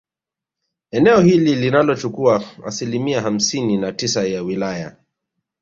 Eneo hili linalochukua asilimia hamsini na tisa ya wilaya